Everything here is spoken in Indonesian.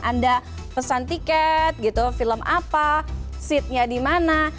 anda pesan tiket gitu film apa seatnya dimana